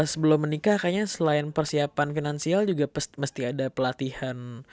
sebelum menikah kayaknya selain persiapan finansial juga mesti ada pelatihan